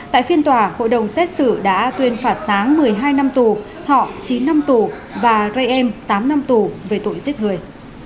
tại phiên tòa hội đồng xét xử đã tuyên phạt sáng một mươi hai năm tù thọ chín năm tù và rây em tám năm tù về tội giết người